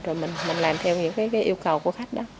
rồi mình làm theo những cái yêu cầu của khách đó